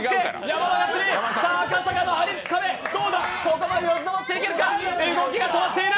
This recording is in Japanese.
さあ赤坂の張りつく壁、どこまで上がっていけるか、動きが止まっている。